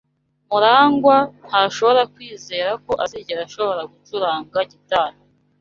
MuragwA ntashobora kwizera ko azigera ashobora gucuranga gitari.